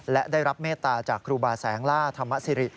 และได้รับเมตตาจากครูบาแสงล่าธรรมสิริ